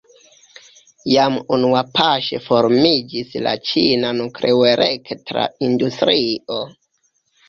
Jam unuapaŝe formiĝis la ĉina nukleoelektra industrio.